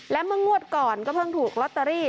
และเมื่องวดก่อนก็เพิ่งถูกลอตเตอรี่